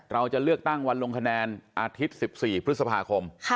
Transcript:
เราจะเลือกตั้งวันลงคะแนนอาทิตย์๑๔พฤษภาคม